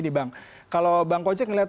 nih bang kalau bang kocek ngeliat